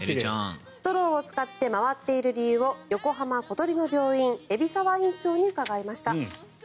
ストローを使って回っている理由を横浜小鳥の病院海老沢院長に伺いました。